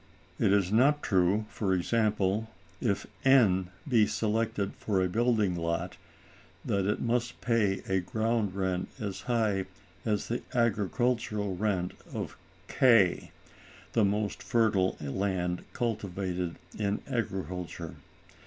It is not true, for example, if N be selected for a building lot, that it must pay a ground rent as high as the agricultural rent of K, the most fertile land cultivated in agriculture.